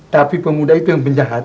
tapi pemuda itu yang penjahat